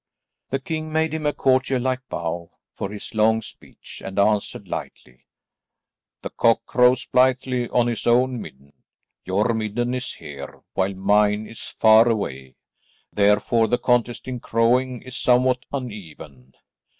The king made him a courtier like bow for this long speech, and answered lightly, "The cock crows blithely on his own midden. Your midden is here, while mine is far away, therefore the contest in crowing is somewhat uneven.